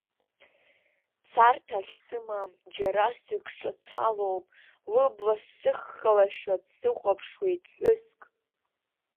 Царҭа ахьсымам џьара сыкҿацалоуп, лыбла сыххалашәа дсыхәаԥшуеит ԥҳәыск.